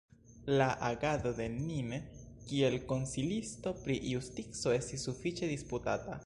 La agado de Nin kiel Konsilisto pri Justico estis sufiĉe disputata.